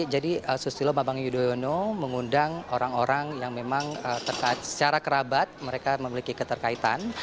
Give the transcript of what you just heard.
jadi sustilo mabang yudhoyono mengundang orang orang yang memang secara kerabat mereka memiliki keterkaitan